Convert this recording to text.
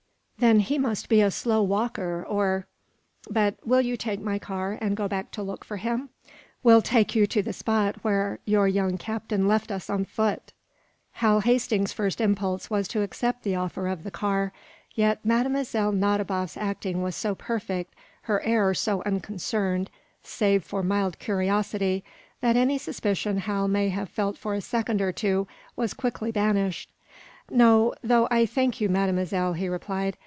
"Then he must be a slow walker, or but will you take my car and go back to look for him? Will take you to the spot where your young captain left us on foot?" Hal Hastings's first impulse was to accept the offer of the car. Yet Mlle. Nadiboff's acting was so perfect, her air so unconcerned save for mild curiosity, that any suspicion Hal may have felt for a second or two was quickly banished. "No, though I thank you, Mademoiselle," he replied.